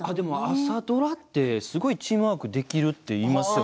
朝ドラってすごいチームワークできていますよね